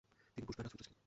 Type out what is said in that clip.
তিনি ভূষণার রাজপুত্র ছিলেন।